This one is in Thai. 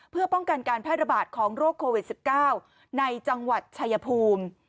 เพื่อป้องกันการแพร่ระบาดของโรคโควิด๑๙ในจังหวัดชายภูมิ